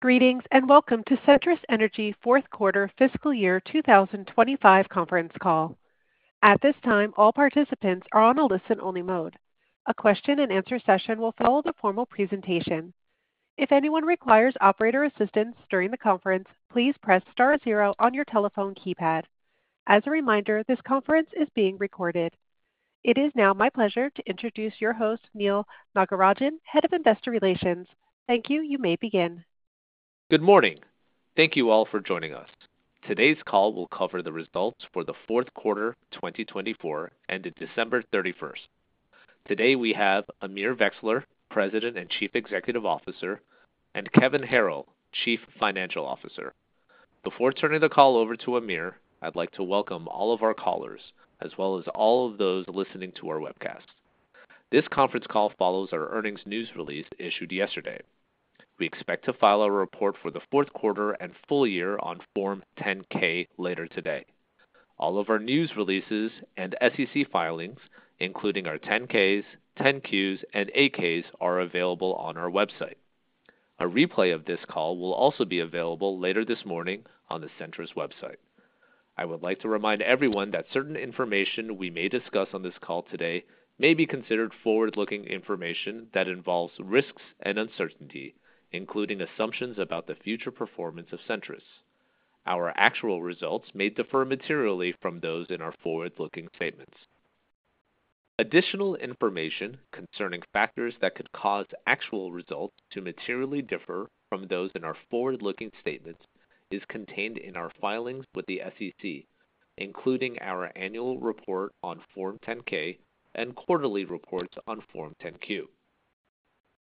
Greetings and welcome to Centrus Energy Fourth Quarter Fiscal Year 2024 Conference Call. At this time, all participants are on a listen-only mode. A question-and-answer session will follow the formal presentation. If anyone requires operator assistance during the conference, please press star zero on your telephone keypad. As a reminder, this conference is being recorded. It is now my pleasure to introduce your host, Neal Nagarajan, Head of Investor Relations. Thank you. You may begin. Good morning. Thank you all for joining us. Today's call will cover the results for the fourth quarter 2024 ended December 31st. Today we have Amir Vexler, President and Chief Executive Officer, and Kevin Harrill, Chief Financial Officer. Before turning the call over to Amir, I'd like to welcome all of our callers as well as all of those listening to our webcast. This conference call follows our earnings news release issued yesterday. We expect to file our report for the fourth quarter and full year on Form 10-K later today. All of our news releases and SEC filings, including our 10-Ks, 10-Qs, and 8-Ks, are available on our website. A replay of this call will also be available later this morning on the Centrus website. I would like to remind everyone that certain information we may discuss on this call today may be considered forward-looking information that involves risks and uncertainty, including assumptions about the future performance of Centrus. Our actual results may differ materially from those in our forward-looking statements. Additional information concerning factors that could cause actual results to materially differ from those in our forward-looking statements is contained in our filings with the SEC, including our annual report on Form 10-K and quarterly reports on Form 10-Q.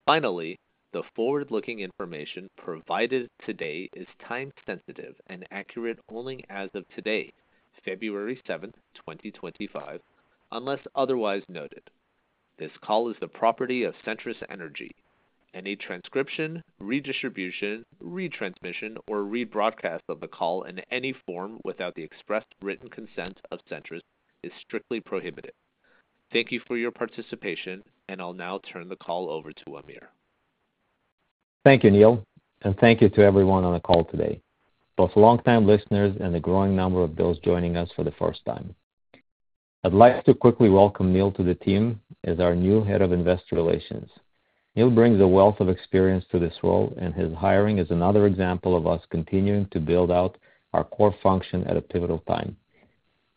Finally, the forward-looking information provided today is time-sensitive and accurate only as of today, February 7th, 2025, unless otherwise noted. This call is the property of Centrus Energy. Any transcription, redistribution, retransmission, or rebroadcast of the call in any form without the expressed written consent of Centrus is strictly prohibited. Thank you for your participation, and I'll now turn the call over to Amir. Thank you, Neal, and thank you to everyone on the call today, both longtime listeners and the growing number of those joining us for the first time. I'd like to quickly welcome Neal to the team as our new Head of Investor Relations. Neal brings a wealth of experience to this role, and his hiring is another example of us continuing to build out our core function at a pivotal time.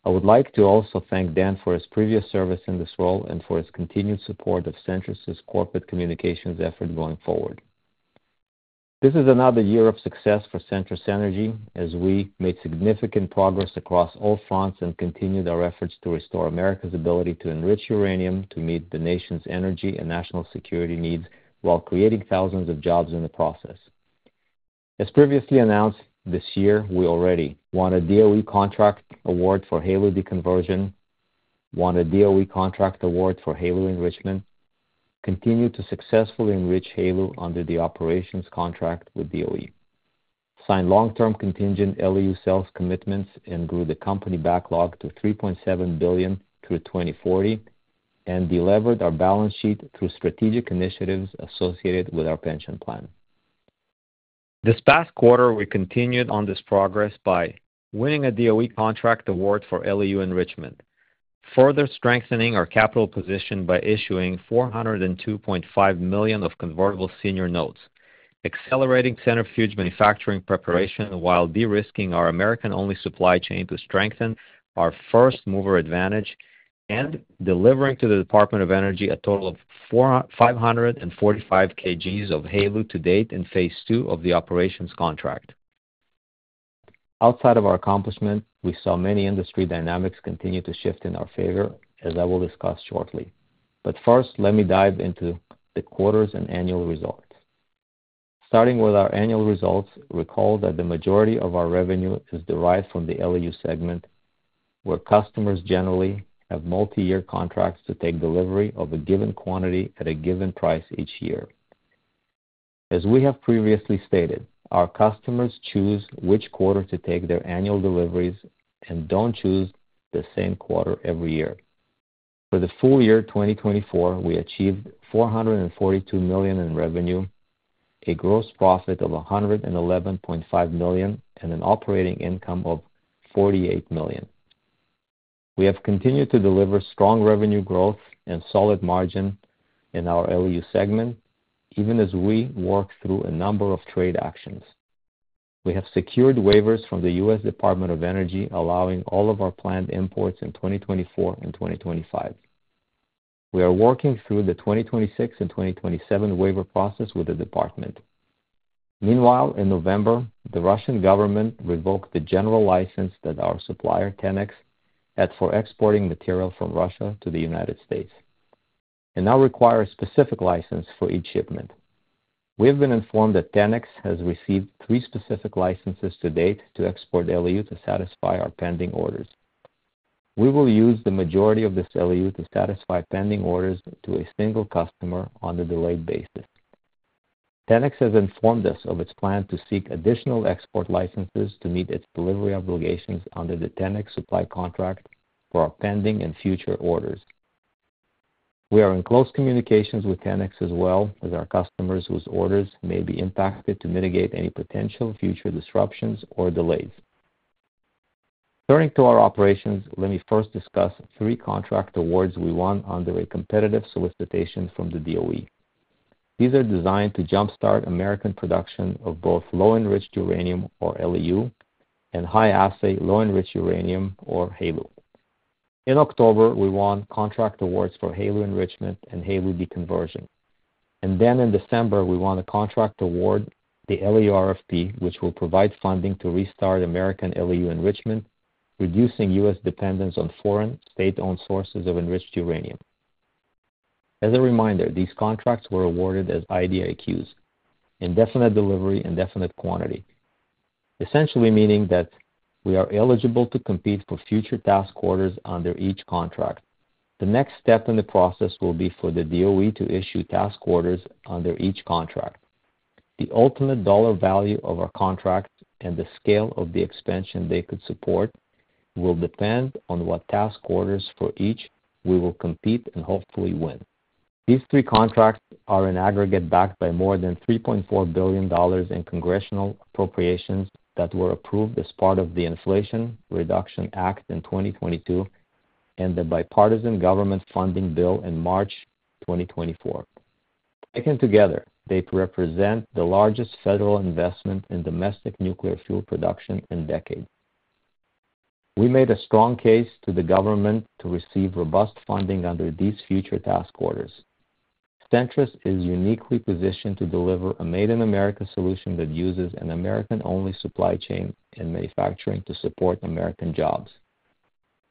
I would like to also thank Dan for his previous service in this role and for his continued support of Centrus' corporate communications effort going forward. This is another year of success for Centrus Energy as we made significant progress across all fronts and continued our efforts to restore America's ability to enrich uranium to meet the nation's energy and national security needs while creating thousands of jobs in the process. As previously announced, this year we already won a DOE contract award for HALEU deconversion, won a DOE contract award for HALEU enrichment, continued to successfully enrich HALEU under the operations contract with DOE, signed long-term contingent LEU sales commitments and grew the company backlog to $3.7 billion through 2040, and delivered our balance sheet through strategic initiatives associated with our pension plan. This past quarter, we continued on this progress by winning a DOE contract award for LEU enrichment, further strengthening our capital position by issuing $402.5 million of Convertible Senior Notes, accelerating centrifuge manufacturing preparation while de-risking our American-only supply chain to strengthen our first-mover advantage, and delivering to the Department of Energy a total of 545 kgs of HALEU to date in phase two of the operations contract. Outside of our accomplishment, we saw many industry dynamics continue to shift in our favor as I will discuss shortly. But first, let me dive into the quarters and annual results. Starting with our annual results, recall that the majority of our revenue is derived from the LEU segment, where customers generally have multi-year contracts to take delivery of a given quantity at a given price each year. As we have previously stated, our customers choose which quarter to take their annual deliveries and don't choose the same quarter every year. For the full year 2024, we achieved $442 million in revenue, a gross profit of $111.5 million, and an operating income of $48 million. We have continued to deliver strong revenue growth and solid margin in our LEU segment even as we work through a number of trade actions. We have secured waivers from the U.S. Department of Energy allowing all of our planned imports in 2024 and 2025. We are working through the 2026 and 2027 waiver process with the Department. Meanwhile, in November, the Russian government revoked the general license that our supplier, Tenex, had for exporting material from Russia to the United States and now requires a specific license for each shipment. We have been informed that Tenex has received three specific licenses to date to export LEU to satisfy our pending orders. We will use the majority of this LEU to satisfy pending orders to a single customer on a delayed basis. Tenex has informed us of its plan to seek additional export licenses to meet its delivery obligations under the Tenex supply contract for our pending and future orders. We are in close communications with Tenex as well as our customers whose orders may be impacted to mitigate any potential future disruptions or delays. Turning to our operations, let me first discuss three contract awards we won under a competitive solicitation from the DOE. These are designed to jump-start American production of both low-enriched uranium or LEU and high-assay low-enriched uranium or HALEU. In October, we won contract awards for HALEU enrichment and HALEU deconversion. And then in December, we won a contract award, the LEU RFP, which will provide funding to restart American LEU enrichment, reducing U.S. dependence on foreign state-owned sources of enriched uranium. As a reminder, these contracts were awarded as IDIQs, indefinite delivery, indefinite quantity, essentially meaning that we are eligible to compete for future task orders under each contract. The next step in the process will be for the DOE to issue task orders under each contract. The ultimate dollar value of our contract and the scale of the expansion they could support will depend on what task orders for each we will compete and hopefully win. These three contracts are in aggregate backed by more than $3.4 billion in congressional appropriations that were approved as part of the Inflation Reduction Act in 2022 and the bipartisan government funding bill in March 2024. Taken together, they represent the largest federal investment in domestic nuclear fuel production in decades. We made a strong case to the government to receive robust funding under these future task orders. Centrus is uniquely positioned to deliver a Made in America solution that uses an American-only supply chain and manufacturing to support American jobs.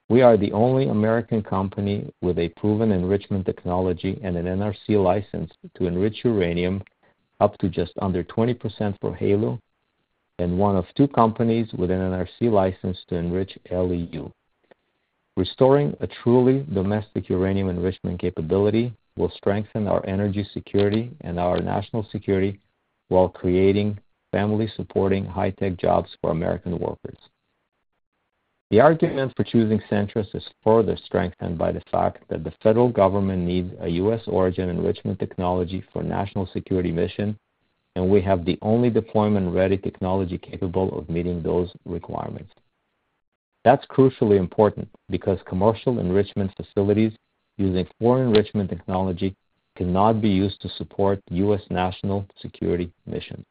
We are the only American company with a proven enrichment technology and an NRC license to enrich uranium up to just under 20% for HALEU and one of two companies with an NRC license to enrich LEU. Restoring a truly domestic uranium enrichment capability will strengthen our energy security and our national security while creating family-supporting high-tech jobs for American workers. The argument for choosing Centrus is further strengthened by the fact that the federal government needs a U.S.-origin enrichment technology for national security mission, and we have the only deployment-ready technology capable of meeting those requirements. That's crucially important because commercial enrichment facilities using foreign enrichment technology cannot be used to support U.S. national security missions.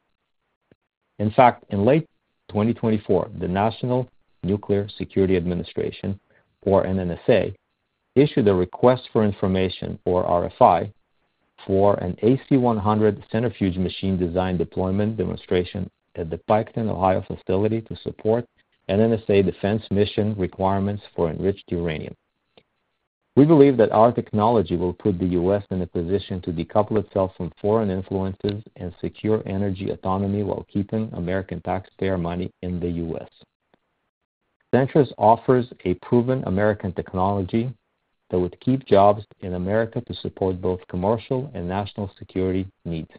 In fact, in late 2024, the National Nuclear Security Administration, or NNSA, issued a request for information, or RFI, for an AC-100 centrifuge machine design deployment demonstration at the Piketon, Ohio, facility to support NNSA defense mission requirements for enriched uranium. We believe that our technology will put the U.S. in a position to decouple itself from foreign influences and secure energy autonomy while keeping American taxpayer money in the U.S. Centrus offers a proven American technology that would keep jobs in America to support both commercial and national security needs.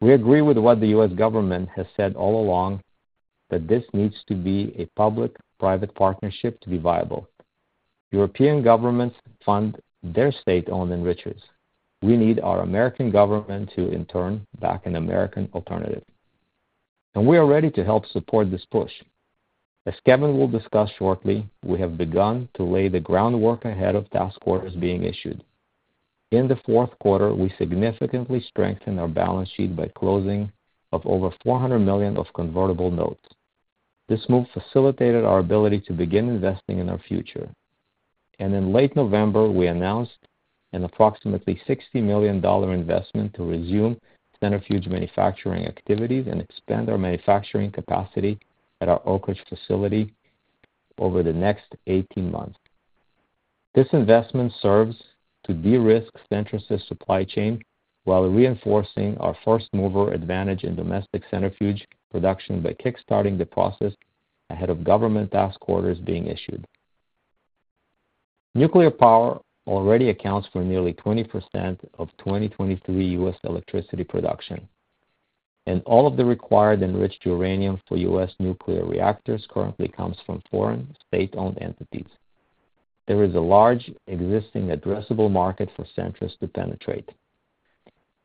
We agree with what the U.S. government has said all along that this needs to be a public-private partnership to be viable. European governments fund their state-owned enrichers. We need our American government to, in turn, back an American alternative. And we are ready to help support this push. As Kevin will discuss shortly, we have begun to lay the groundwork ahead of task orders being issued. In the fourth quarter, we significantly strengthened our balance sheet by closing of over $400 million of convertible notes. This move facilitated our ability to begin investing in our future, and in late November, we announced an approximately $60 million investment to resume centrifuge manufacturing activities and expand our manufacturing capacity at our Oak Ridge facility over the next 18 months. This investment serves to de-risk Centrus' supply chain while reinforcing our first-mover advantage in domestic centrifuge production by kickstarting the process ahead of government task orders being issued. Nuclear power already accounts for nearly 20% of 2023 U.S. electricity production, and all of the required enriched uranium for U.S. nuclear reactors currently comes from foreign state-owned entities. There is a large existing addressable market for Centrus to penetrate.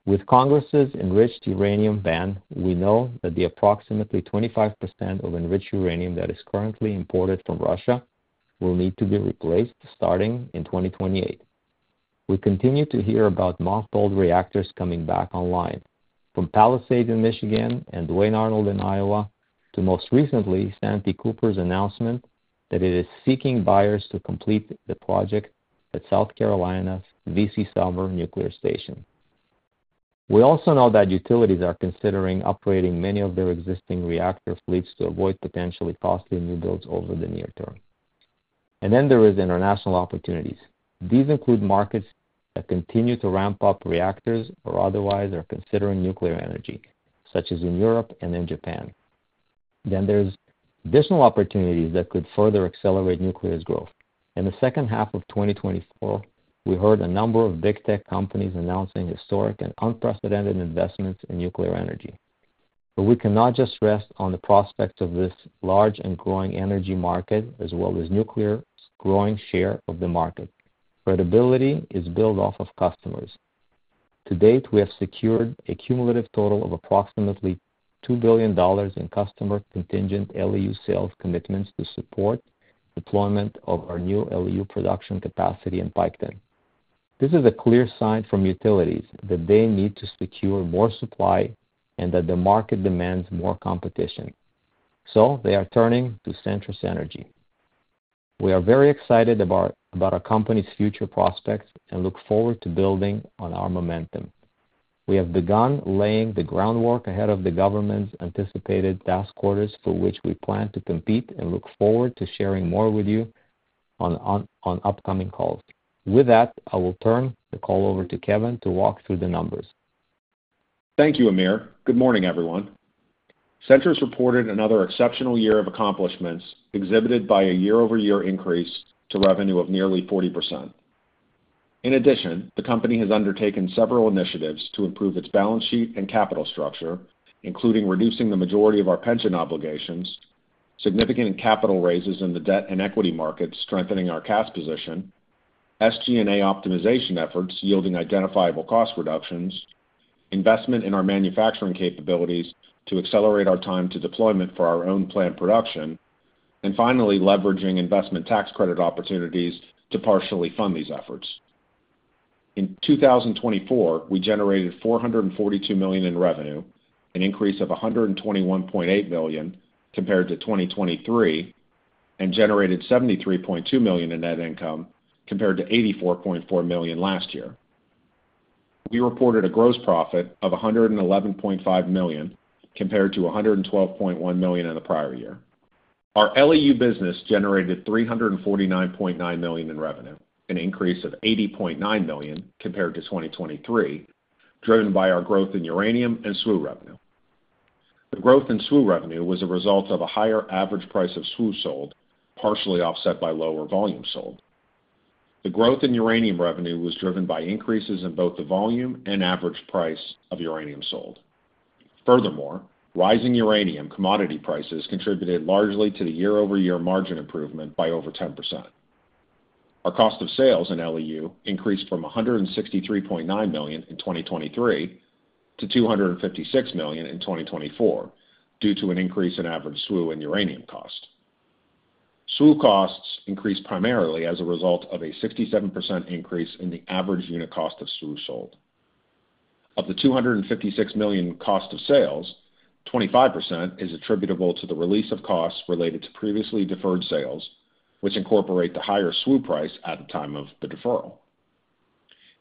With Congress's enriched uranium ban, we know that the approximately 25% of enriched uranium that is currently imported from Russia will need to be replaced starting in 2028. We continue to hear about mothballed reactors coming back online, from Palisades in Michigan and Duane Arnold in Iowa to most recently Santee Cooper's announcement that it is seeking buyers to complete the project at South Carolina's V.C. Summer Nuclear Station. We also know that utilities are considering upgrading many of their existing reactor fleets to avoid potentially costly new builds over the near term. And then there are international opportunities. These include markets that continue to ramp up reactors or otherwise are considering nuclear energy, such as in Europe and in Japan. Then there are additional opportunities that could further accelerate nuclear growth. In the second half of 2024, we heard a number of big tech companies announcing historic and unprecedented investments in nuclear energy. But we cannot just rest on the prospects of this large and growing energy market as well as nuclear's growing share of the market. Credibility is built off of customers. To date, we have secured a cumulative total of approximately $2 billion in customer contingent LEU sales commitments to support deployment of our new LEU production capacity in Piketon. This is a clear sign from utilities that they need to secure more supply and that the market demands more competition. So they are turning to Centrus Energy. We are very excited about our company's future prospects and look forward to building on our momentum. We have begun laying the groundwork ahead of the government's anticipated task orders for which we plan to compete and look forward to sharing more with you on upcoming calls. With that, I will turn the call over to Kevin to walk through the numbers. Thank you, Amir. Good morning, everyone. Centrus reported another exceptional year of accomplishments exhibited by a year-over-year increase to revenue of nearly 40%. In addition, the company has undertaken several initiatives to improve its balance sheet and capital structure, including reducing the majority of our pension obligations, significant capital raises in the debt and equity markets strengthening our cash position, SG&A optimization efforts yielding identifiable cost reductions, investment in our manufacturing capabilities to accelerate our time to deployment for our own planned production, and finally, leveraging investment tax credit opportunities to partially fund these efforts. In 2024, we generated $442 million in revenue, an increase of $121.8 million compared to 2023, and generated $73.2 million in net income compared to $84.4 million last year. We reported a gross profit of $111.5 million compared to $112.1 million in the prior year. Our LEU business generated $349.9 million in revenue, an increase of $80.9 million compared to 2023, driven by our growth in uranium and SWU revenue. The growth in SWU revenue was a result of a higher average price of SWU sold, partially offset by lower volume sold. The growth in uranium revenue was driven by increases in both the volume and average price of uranium sold. Furthermore, rising uranium commodity prices contributed largely to the year-over-year margin improvement by over 10%. Our cost of sales in LEU increased from $163.9 million in 2023 to $256 million in 2024 due to an increase in average SWU and uranium cost. SWU costs increased primarily as a result of a 67% increase in the average unit cost of SWU sold. Of the $256 million cost of sales, 25% is attributable to the release of costs related to previously deferred sales, which incorporate the higher SWU price at the time of the deferral.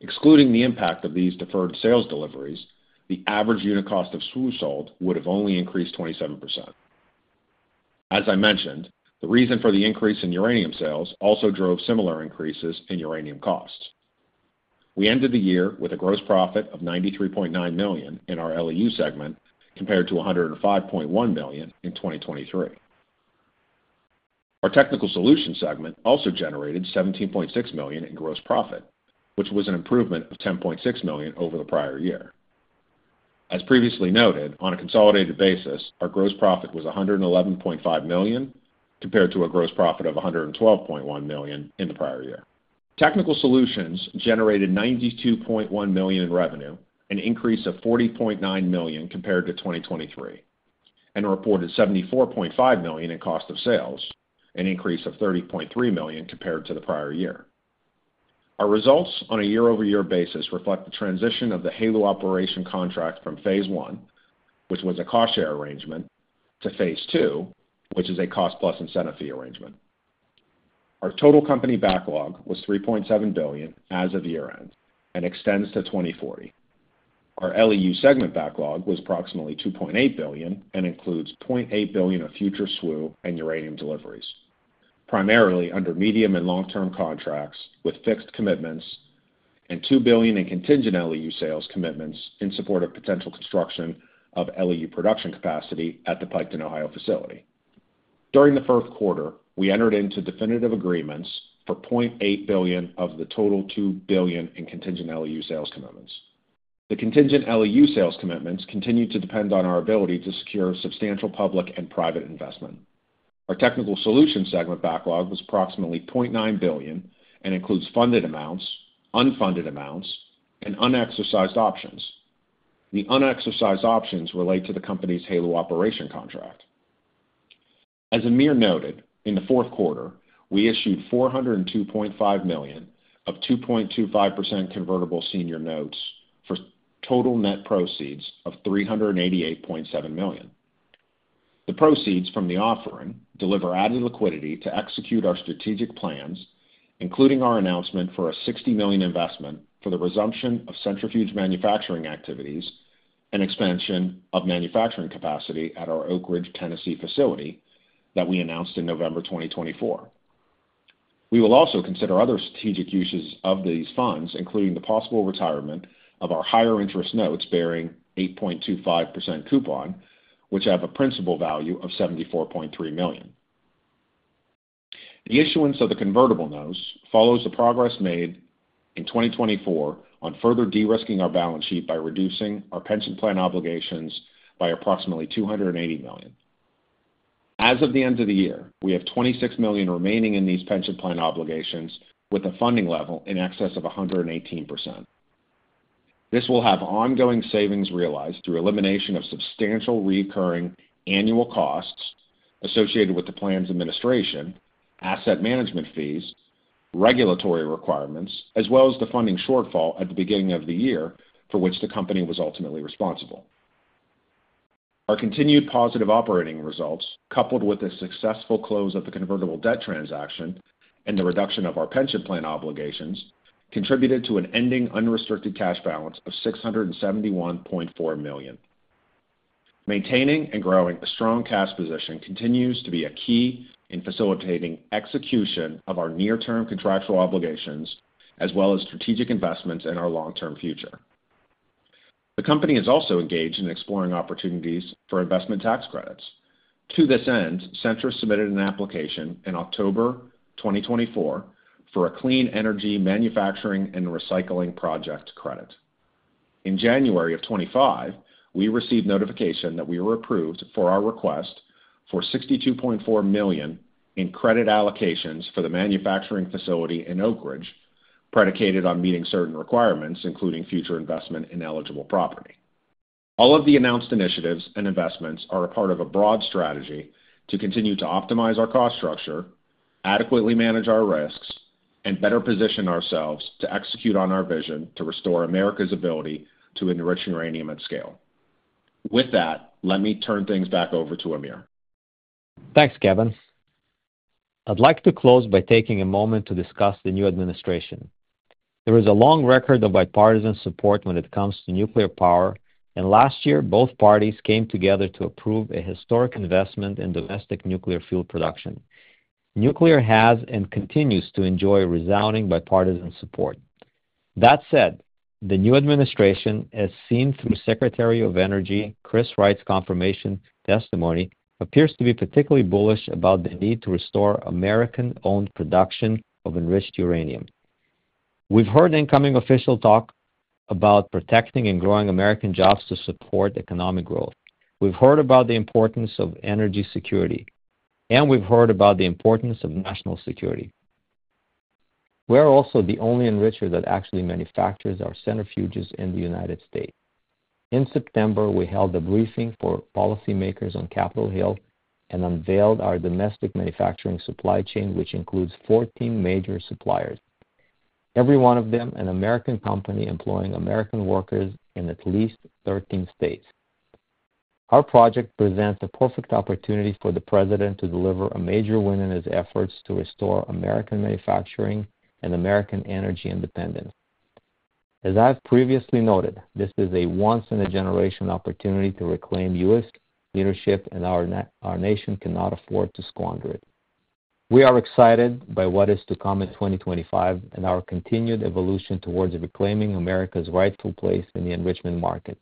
Excluding the impact of these deferred sales deliveries, the average unit cost of SWU sold would have only increased 27%. As I mentioned, the reason for the increase in uranium sales also drove similar increases in uranium costs. We ended the year with a gross profit of $93.9 million in our LEU segment compared to $105.1 million in 2023. Our technical solutions segment also generated $17.6 million in gross profit, which was an improvement of $10.6 million over the prior year. As previously noted, on a consolidated basis, our gross profit was $111.5 million compared to a gross profit of $112.1 million in the prior year. Technical solutions generated $92.1 million in revenue, an increase of $40.9 million compared to 2023, and reported $74.5 million in cost of sales, an increase of $30.3 million compared to the prior year. Our results on a year-over-year basis reflect the transition of the HALEU operation contract from Phase One, which was a cost-share arrangement, to Phase Two, which is a cost-plus incentive fee arrangement. Our total company backlog was $3.7 billion as of year-end and extends to 2040. Our LEU segment backlog was approximately $2.8 billion and includes $0.8 billion of future SWU and uranium deliveries, primarily under medium and long-term contracts with fixed commitments and $2 billion in contingent LEU sales commitments in support of potential construction of LEU production capacity at the Piketon, Ohio, facility. During the fourth quarter, we entered into definitive agreements for $0.8 billion of the total $2 billion in contingent LEU sales commitments. The contingent LEU sales commitments continue to depend on our ability to secure substantial public and private investment. Our technical solution segment backlog was approximately $0.9 billion and includes funded amounts, unfunded amounts, and unexercised options. The unexercised options relate to the company's HALEU operation contract. As Amir noted, in the fourth quarter, we issued $402.5 million of 2.25% convertible senior notes for total net proceeds of $388.7 million. The proceeds from the offering deliver added liquidity to execute our strategic plans, including our announcement for a $60 million investment for the resumption of centrifuge manufacturing activities and expansion of manufacturing capacity at our Oak Ridge, Tennessee, facility that we announced in November 2024. We will also consider other strategic uses of these funds, including the possible retirement of our higher interest notes bearing 8.25% coupon, which have a principal value of $74.3 million. The issuance of the convertible notes follows the progress made in 2024 on further de-risking our balance sheet by reducing our pension plan obligations by approximately $280 million. As of the end of the year, we have $26 million remaining in these pension plan obligations with a funding level in excess of 118%. This will have ongoing savings realized through elimination of substantial recurring annual costs associated with the plan's administration, asset management fees, regulatory requirements, as well as the funding shortfall at the beginning of the year for which the company was ultimately responsible. Our continued positive operating results, coupled with the successful close of the convertible debt transaction and the reduction of our pension plan obligations, contributed to an ending unrestricted cash balance of $671.4 million. Maintaining and growing a strong cash position continues to be a key in facilitating execution of our near-term contractual obligations as well as strategic investments in our long-term future. The company is also engaged in exploring opportunities for investment tax credits. To this end, Centrus submitted an application in October 2024 for a clean energy manufacturing and recycling project credit. In January of 2025, we received notification that we were approved for our request for $62.4 million in credit allocations for the manufacturing facility in Oak Ridge, predicated on meeting certain requirements, including future investment in eligible property. All of the announced initiatives and investments are a part of a broad strategy to continue to optimize our cost structure, adequately manage our risks, and better position ourselves to execute on our vision to restore America's ability to enrich uranium at scale. With that, let me turn things back over to Amir. Thanks, Kevin. I'd like to close by taking a moment to discuss the new administration. There is a long record of bipartisan support when it comes to nuclear power, and last year, both parties came together to approve a historic investment in domestic nuclear fuel production. Nuclear has and continues to enjoy resounding bipartisan support. That said, the new administration, as seen through Secretary of Energy Chris Wright's confirmation testimony, appears to be particularly bullish about the need to restore American-owned production of enriched uranium. We've heard incoming official talk about protecting and growing American jobs to support economic growth. We've heard about the importance of energy security, and we've heard about the importance of national security. We're also the only enricher that actually manufactures our centrifuges in the United States. In September, we held a briefing for policymakers on Capitol Hill and unveiled our domestic manufacturing supply chain, which includes 14 major suppliers, every one of them an American company employing American workers in at least 13 states. Our project presents a perfect opportunity for the President to deliver a major win in his efforts to restore American manufacturing and American energy independence. As I've previously noted, this is a once-in-a-generation opportunity to reclaim U.S. leadership, and our nation cannot afford to squander it. We are excited by what is to come in 2025 and our continued evolution towards reclaiming America's rightful place in the enrichment market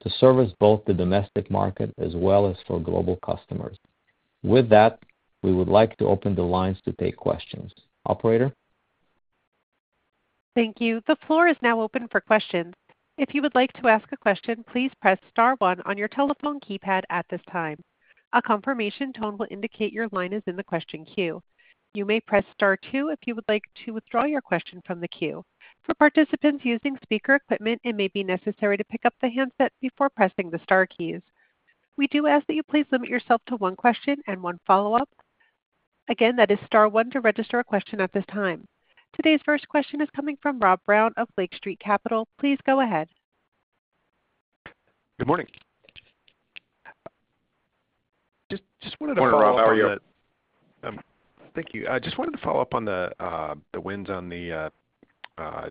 to service both the domestic market as well as for global customers. With that, we would like to open the lines to take questions. Operator? Thank you. The floor is now open for questions. If you would like to ask a question, please press Star 1 on your telephone keypad at this time. A confirmation tone will indicate your line is in the question queue. You may press Star 2 if you would like to withdraw your question from the queue. For participants using speaker equipment, it may be necessary to pick up the handset before pressing the Star keys. We do ask that you please limit yourself to one question and one follow-up. Again, that is Star 1 to register a question at this time. Today's first question is coming from Rob Brown of Lake Street Capital. Please go ahead. Good morning. Just wanted to follow up on the. Good morning, Rob. How are you? Thank you. I just wanted to follow up on the wins on the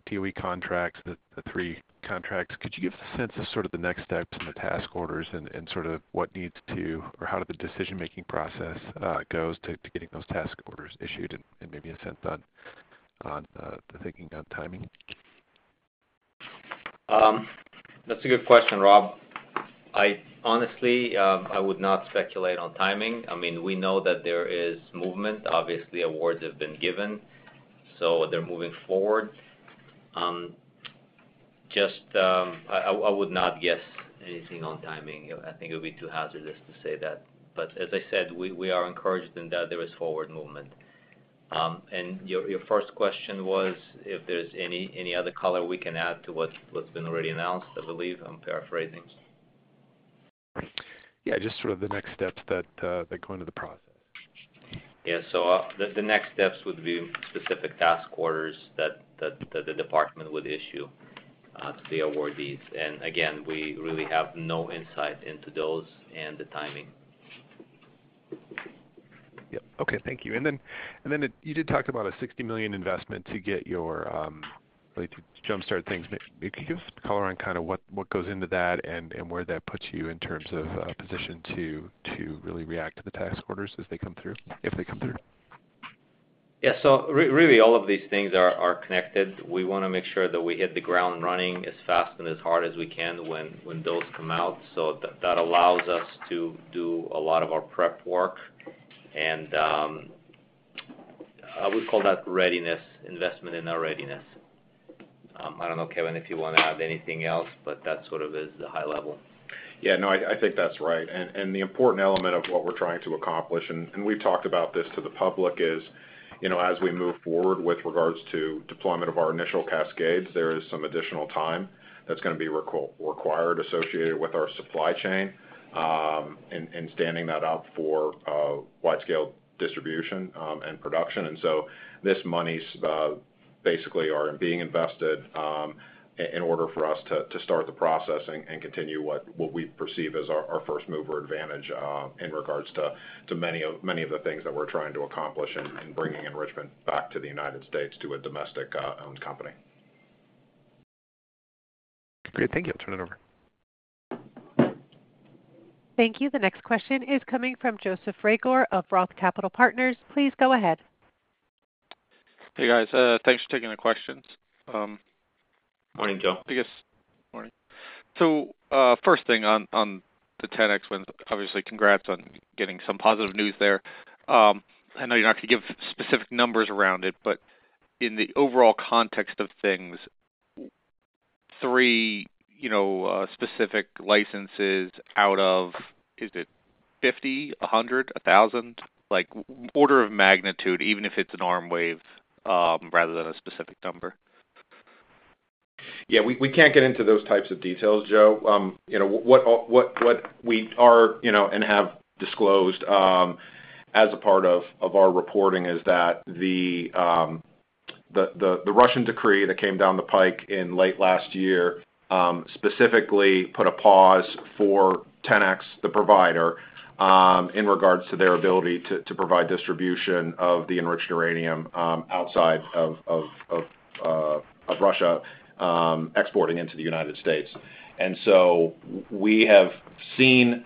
DOE contracts, the three contracts. Could you give us a sense of sort of the next steps in the task orders and sort of what needs to, or how did the decision-making process go to getting those task orders issued and maybe a sense on the thinking on timing? That's a good question, Rob. Honestly, I would not speculate on timing. I mean, we know that there is movement. Obviously, awards have been given, so they're moving forward. Just, I would not guess anything on timing. I think it would be too hazardous to say that. But as I said, we are encouraged in that there is forward movement. Your first question was if there's any other color we can add to what's been already announced, I believe. I'm paraphrasing. Yeah, just sort of the next steps that go into the process. Yeah, so the next steps would be specific task orders that the department would issue to the awardees. And again, we really have no insight into those and the timing. Yep. Okay. Thank you. And then you did talk about a $60 million investment to get your jumpstart things. Could you just color on kind of what goes into that and where that puts you in terms of position to really react to the task orders as they come through, if they come through? Yeah. So really, all of these things are connected. We want to make sure that we hit the ground running as fast and as hard as we can when those come out. So that allows us to do a lot of our prep work. And I would call that readiness, investment in our readiness. I don't know, Kevin, if you want to add anything else, but that sort of is the high level. Yeah. No, I think that's right. And the important element of what we're trying to accomplish, and we've talked about this to the public, is as we move forward with regards to deployment of our initial cascades, there is some additional time that's going to be required associated with our supply chain and standing that up for wide-scale distribution and production. And so this money's basically being invested in order for us to start the process and continue what we perceive as our first mover advantage in regards to many of the things that we're trying to accomplish in bringing enrichment back to the United States to a domestic-owned company. Great. Thank you. I'll turn it over. Thank you. The next question is coming from Joseph Reagor of Roth Capital Partners. Please go ahead. Hey, guys. Thanks for taking the questions. Morning, Joe. I guess morning. So first thing on the Tenex wins, obviously, congrats on getting some positive news there. I know you're not going to give specific numbers around it, but in the overall context of things, three specific licenses out of, is it 50, 100, 1,000? Order of magnitude, even if it's an arm wave rather than a specific number. Yeah. We can't get into those types of details, Joe. What we are and have disclosed as a part of our reporting is that the Russian decree that came down the pike in late last year specifically put a pause for Tenex, the provider, in regards to their ability to provide distribution of the enriched uranium outside of Russia exporting into the United States. And so we have seen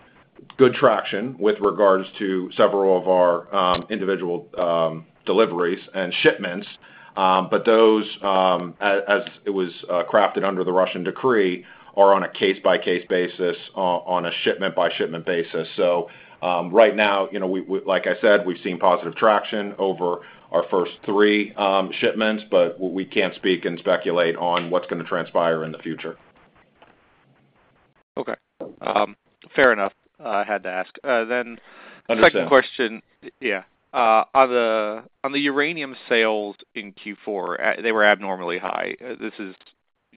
good traction with regards to several of our individual deliveries and shipments, but those, as it was crafted under the Russian decree, are on a case-by-case basis, on a shipment-by-shipment basis. So right now, like I said, we've seen positive traction over our first three shipments, but we can't speak and speculate on what's going to transpire in the future. Okay. Fair enough. I had to ask. Then second question. Understood. Yeah. On the uranium sales in Q4, they were abnormally high.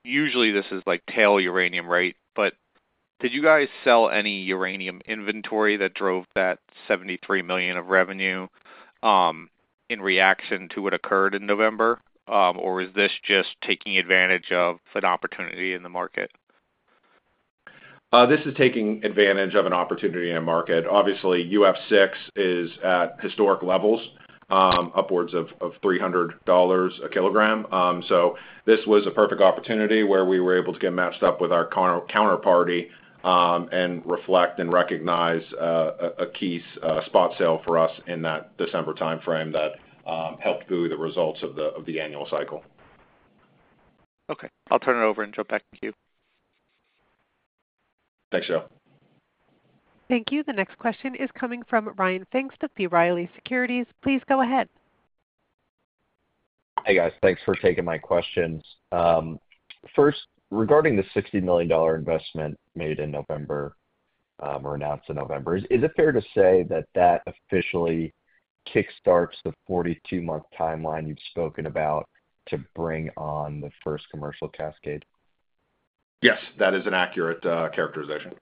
Usually, this is tail uranium rate, but did you guys sell any uranium inventory that drove that $73 million of revenue in reaction to what occurred in November, or is this just taking advantage of an opportunity in the market? This is taking advantage of an opportunity in the market. Obviously, UF6 is at historic levels, upwards of $300 a kilogram. So this was a perfect opportunity where we were able to get matched up with our counterparty and reflect and recognize a key spot sale for us in that December timeframe that helped boost the results of the annual cycle. Okay. I'll turn it over and jump back to you. Thanks, Joe. Thank you. The next question is coming from Ryan Pfingst with B. Riley Securities. Please go ahead. Hey, guys. Thanks for taking my questions. First, regarding the $60 million investment made in November or announced in November, is it fair to say that that officially kickstarts the 42-month timeline you've spoken about to bring on the first commercial cascade? Yes. That is an accurate characterization.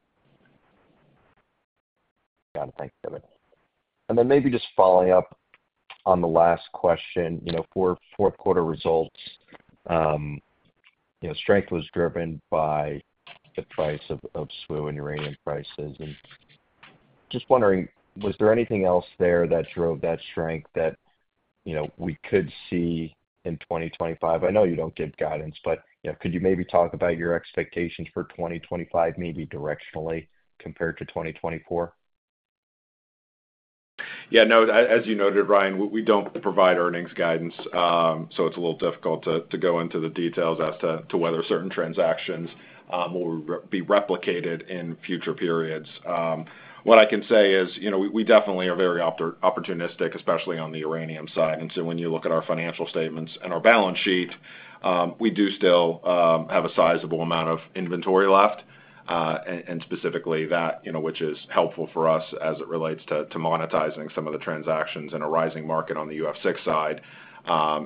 Got it. Thanks, Kevin. And then maybe just following up on the last question, fourth quarter results, strength was driven by the price of SWU and uranium prices. And just wondering, was there anything else there that drove that strength that we could see in 2025? I know you don't give guidance, but could you maybe talk about your expectations for 2025, maybe directionally compared to 2024? Yeah. No, as you noted, Ryan, we don't provide earnings guidance, so it's a little difficult to go into the details as to whether certain transactions will be replicated in future periods. What I can say is we definitely are very opportunistic, especially on the uranium side, and so when you look at our financial statements and our balance sheet, we do still have a sizable amount of inventory left, and specifically that, which is helpful for us as it relates to monetizing some of the transactions in a rising market on the UF6 side,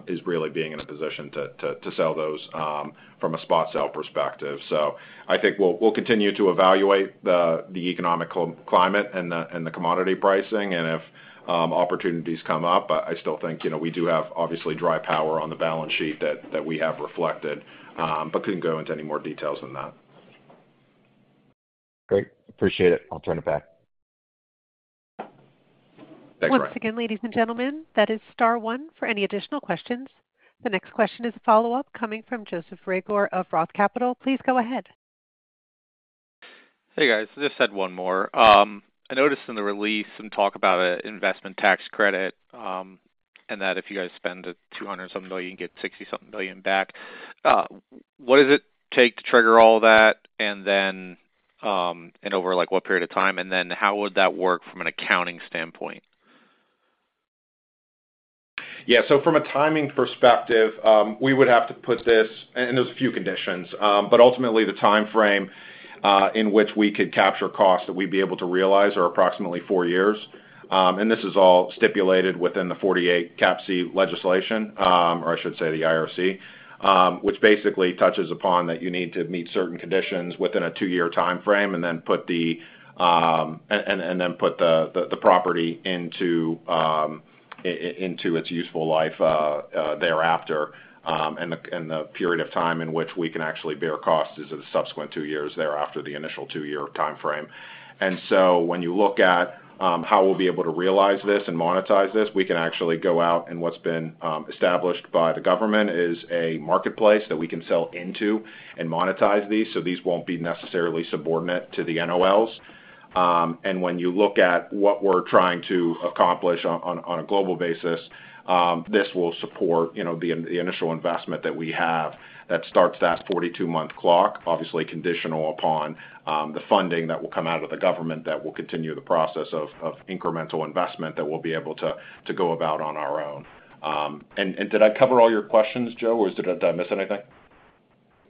is really being in a position to sell those from a spot sale perspective, so I think we'll continue to evaluate the economic climate and the commodity pricing, and if opportunities come up, I still think we do have obviously dry powder on the balance sheet that we have reflected, but couldn't go into any more details than that. Great. Appreciate it. I'll turn it back. Thanks, Ryan. Once again, ladies and gentlemen, that is Star 1 for any additional questions. The next question is a follow-up coming from Joseph Reagor of Roth Capital. Please go ahead. Hey, guys. Just had one more. I noticed in the release some talk about an investment tax credit and that if you guys spend 200-something million, you can get 60-something million back. What does it take to trigger all that and over what period of time? And then how would that work from an accounting standpoint? Yeah. From a timing perspective, we would have to put this and there's a few conditions. But ultimately, the timeframe in which we could capture costs that we'd be able to realize are approximately four years. And this is all stipulated within the 48C legislation, or I should say the IRC, which basically touches upon that you need to meet certain conditions within a two-year timeframe and then put the property into its useful life thereafter. And the period of time in which we can actually bear costs is the subsequent two years thereafter the initial two-year timeframe. And so when you look at how we'll be able to realize this and monetize this, we can actually go out, and what's been established by the government is a marketplace that we can sell into and monetize these. So these won't be necessarily subordinate to the NOLs. And when you look at what we're trying to accomplish on a global basis, this will support the initial investment that we have that starts that 42-month clock, obviously conditional upon the funding that will come out of the government that will continue the process of incremental investment that we'll be able to go about on our own. And did I cover all your questions, Joe, or did I miss anything?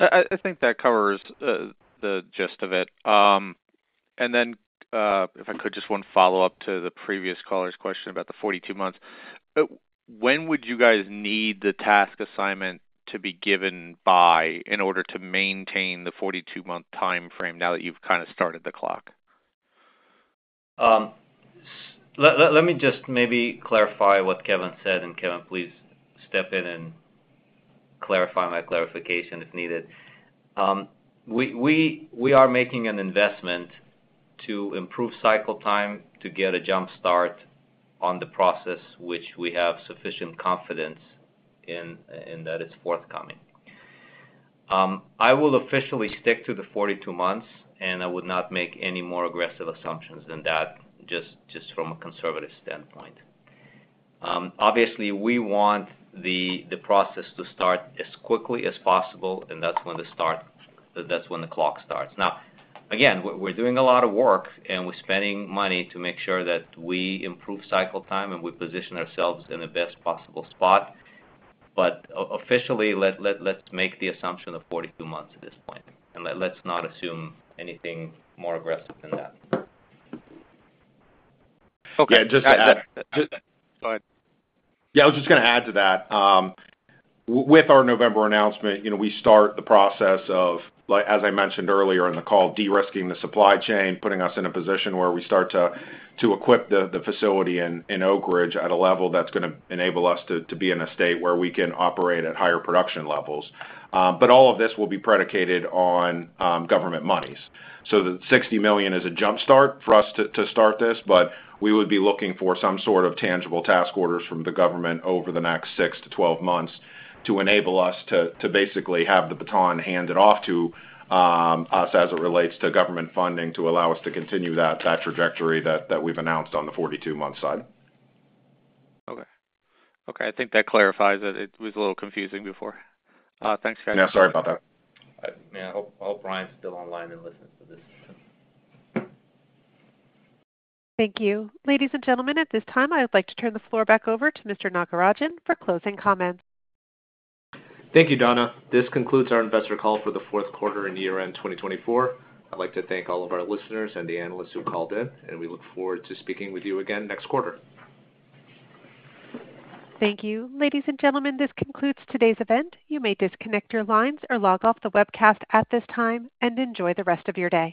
I think that covers the gist of it. And then if I could, just one follow-up to the previous caller's question about the 42 months. When would you guys need the task assignment to be given by in order to maintain the 42-month timeframe now that you've kind of started the clock? Let me just maybe clarify what Kevin said, and Kevin, please step in and clarify my clarification if needed. We are making an investment to improve cycle time to get a jumpstart on the process, which we have sufficient confidence in that it's forthcoming. I will officially stick to the 42 months, and I would not make any more aggressive assumptions than that just from a conservative standpoint. Obviously, we want the process to start as quickly as possible, and that's when the clock starts. Now, again, we're doing a lot of work, and we're spending money to make sure that we improve cycle time and we position ourselves in the best possible spot. But officially, let's make the assumption of 42 months at this point. And let's not assume anything more aggressive than that. Okay. Just to add. Go ahead. Yeah. I was just going to add to that. With our November announcement, we start the process of, as I mentioned earlier in the call, de-risking the supply chain, putting us in a position where we start to equip the facility in Oak Ridge at a level that's going to enable us to be in a state where we can operate at higher production levels. But all of this will be predicated on government monies. So the $60 million is a jumpstart for us to start this, but we would be looking for some sort of tangible task orders from the government over the next 6-12 months to enable us to basically have the baton handed off to us as it relates to government funding to allow us to continue that trajectory that we've announced on the 42-month side. Okay. Okay. I think that clarifies it. It was a little confusing before. Thanks, guys. Yeah. Sorry about that. Yeah. I hope Ryan's still online and listening to this. Thank you. Ladies and gentlemen, at this time, I would like to turn the floor back over to Mr. Nagarajan for closing comments. Thank you, Donna. This concludes our investor call for the fourth quarter and year-end 2024. I'd like to thank all of our listeners and the analysts who called in, and we look forward to speaking with you again next quarter. Thank you. Ladies and gentlemen, this concludes today's event. You may disconnect your lines or log off the webcast at this time and enjoy the rest of your day.